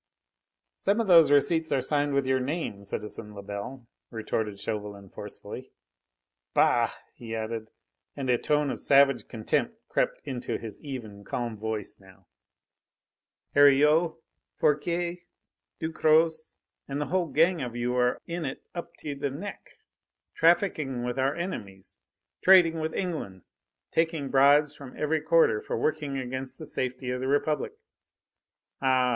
"Some of those receipts are signed with your name, citizen Lebel," retorted Chauvelin forcefully. "Bah!" he added, and a tone of savage contempt crept into his even, calm voice now. "Heriot, Foucquier, Ducros and the whole gang of you are in it up to the neck: trafficking with our enemies, trading with England, taking bribes from every quarter for working against the safety of the Republic. Ah!